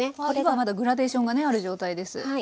今はまだグラデーションがねある状態です。